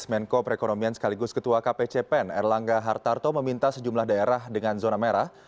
menko perekonomian sekaligus ketua kpcpen erlangga hartarto meminta sejumlah daerah dengan zona merah